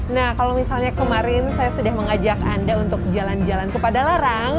nah kalau misalnya kemarin saya sudah mengajak anda untuk jalan jalan ke padalarang